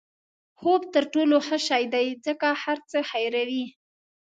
خوب تر ټولو ښه شی دی ځکه هر څه هیروي.